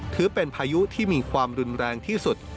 ถือเป็นพายุที่มีความรุนแรงที่สุด